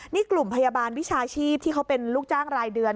นี่กลุ่มพยาบาลวิชาชีพที่เขาเป็นลูกจ้างรายเดือน